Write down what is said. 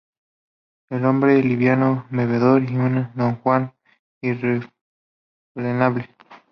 Era hombre liviano, bebedor y un "don Juan" irrefrenable.